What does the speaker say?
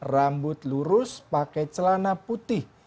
rambut lurus pakai celana putih